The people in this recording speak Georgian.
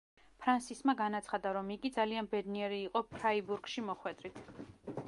ფრანსისმა განაცხადა, რომ იგი ძალიან ბედნიერი იყო „ფრაიბურგში“ მოხვედრით.